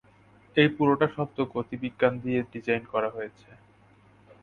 এই পুরোটা শব্দ-গতিবিজ্ঞান দিয়ে ডিজাইন করা হয়েছে!